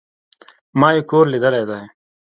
ما ئې کور ليدلى دئ